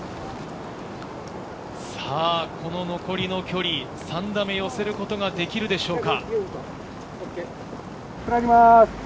この残りの距離、３打目、寄せることができるでしょうか。